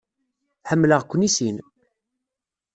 Ḥemmleɣ-ken i sin.